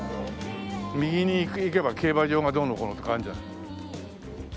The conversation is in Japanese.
右に行けば競馬場がどうのこうのとかあるじゃない。